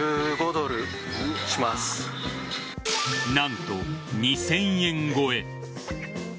何と２０００円超え。